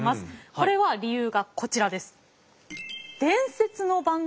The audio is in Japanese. これは理由がこちらです。